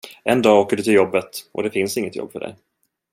En dag åker du till jobbet och det finns inget jobb för dig.